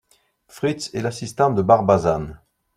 Fritz est l'assistant de Barbazan.